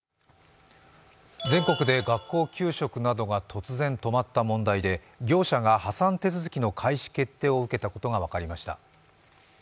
全国で学校給食などが突然止まった問題で、業者が破産手続きの開始決定を受けたことが分かりました。